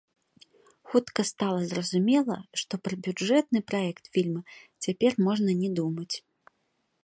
Хутка стала зразумела, што пра бюджэтны праект фільма цяпер можна не думаць.